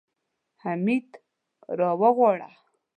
حميد راوغواړه.